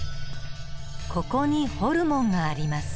ここにホルモンがあります。